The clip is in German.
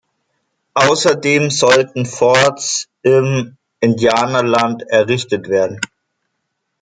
Außerdem sollten Forts im Indianerland errichtet werden.